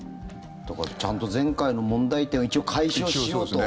だからちゃんと前回の問題点を一応解消しようと。